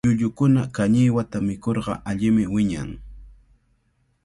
Llullukuna kañiwata mikurqa allimi wiñan.